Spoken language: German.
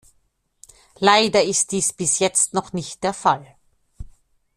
Leider ist dies bis jetzt noch nicht der Fall.